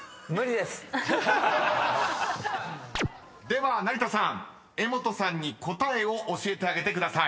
［では成田さん柄本さんに答えを教えてあげてください］